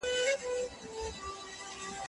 ایا افغان سوداګر وچ توت ساتي؟